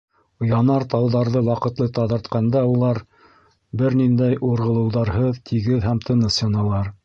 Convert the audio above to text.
Янартауҙарҙы ваҡытлы таҙартҡанда улар, бер ниндәй урғылыуҙарһыҙ, тигеҙ һәм тыныс яналар.